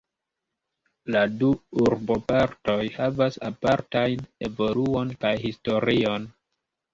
La du urbopartoj havas apartajn evoluon kaj historion.